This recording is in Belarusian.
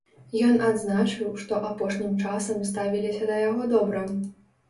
Ён адзначыў, што апошнім часам ставіліся да яго добра.